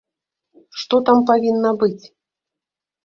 Што там павінна быць?